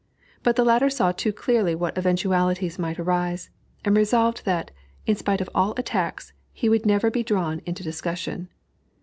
But the latter saw too clearly what eventualities might arise, and resolved that, in spite of all attacks, he would never be drawn into discussion.